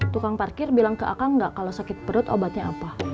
tukang parkir bilang ke aka nggak kalau sakit perut obatnya apa